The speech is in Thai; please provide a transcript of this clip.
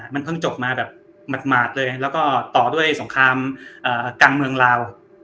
มันเพิ่งจบมาแบบหมาดเลยแล้วก็ต่อด้วยสงครามกลางเมืองลาว